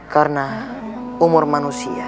karena umur manusia